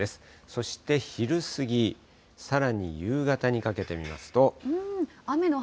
そして昼過ぎ、さらに夕方にかけて見ますと。